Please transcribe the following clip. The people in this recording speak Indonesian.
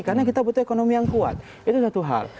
karena kita butuh ekonomi yang kuat itu satu hal